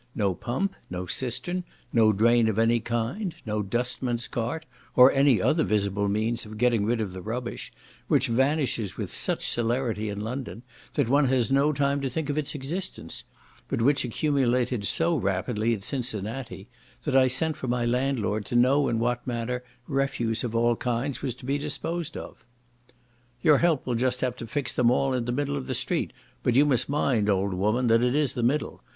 No pump, no cistern, no drain of any kind, no dustman's cart, or any other visible means of getting rid of the rubbish, which vanishes with such celerity in London, that one has no time to think of its existence; but which accumulated so rapidly at Cincinnati, that I sent for my landlord to know in what manner refuse of all kinds was to be disposed of. "Your Help will just have to fix them all into the middle of the street, but you must mind, old woman, that it is the middle.